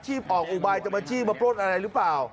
จีบออกอุบายจะมาจีบมาโปรดอะไรหรือเปล่า